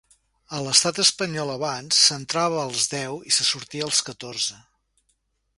A l'estat espanyol, abans, s'entrava als deu i se sortia als catorze.